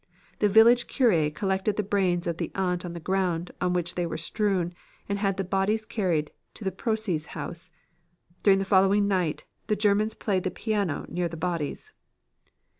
The village cure collected the brains of the aunt on the ground on which they were strewn and had the bodies carried into Proces' house. During the following night, the Germans played the piano near the bodies.